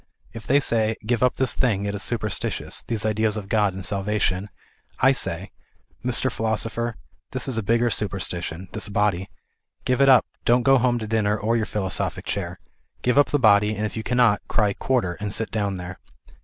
If they say " Give up this thing, it is superstitious, these ideas of God and salvation are superstition," I say ŌĆó" Mr. Philosoper, this is a bigger superstition, this body. Oive it up, don't go home to dinner or your philosophic chair. Give up the body, and if you cannot, cry quarter, and sit down there."